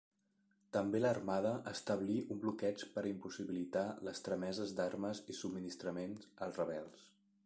També l'armada establí un bloqueig per impossibilitar les trameses d'armes i subministraments als rebels.